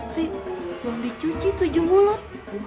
belum dicuci tujuh mulut